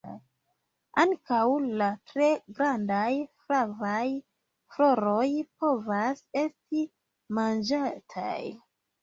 Ankaŭ la tre grandaj flavaj floroj povas esti manĝataj.